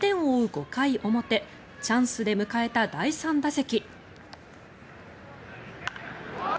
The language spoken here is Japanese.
５回表チャンスで迎えた第３打席。